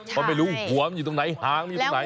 เพราะไม่รู้หัวมันอยู่ตรงไหนหางมีตรงไหน